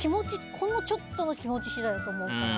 ほんのちょっとの気持ち次第だと思うから。